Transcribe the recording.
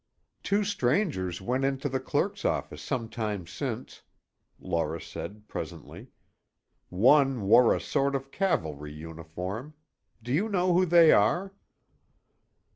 "Two strangers went into the clerk's office some time since," Laura said presently. "One wore a sort of cavalry uniform. Do you know who they are?"